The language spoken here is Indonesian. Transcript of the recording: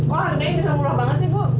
wah harganya ini sudah murah banget sih bu